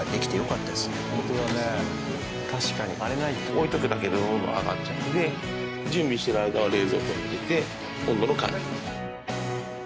置いておくだけで温度上がっちゃうので準備してる間は冷蔵庫に入れて温度の管理。